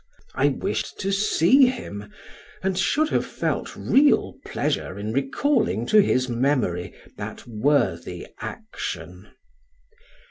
I wished to see him, and should have felt real pleasure in recalling to his memory that worthy action.